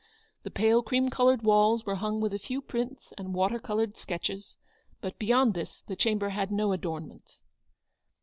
The pale cream coloured walls were hung with a few prints and water coloured sketches; but beyond this the chamber had no adornments.